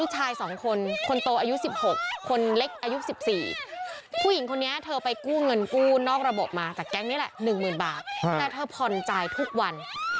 ๑หมื่นบาทและเธอพนใจทุกวัน